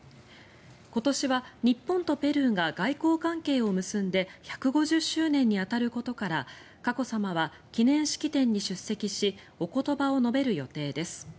今年は日本とペルーが外交関係を結んで１５０周年に当たることから佳子さまは記念式典に出席しお言葉を述べる予定です。